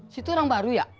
situ orang baru ya